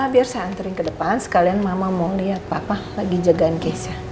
biar saya anterin ke depan sekalian mama mau lihat papa lagi jagain kese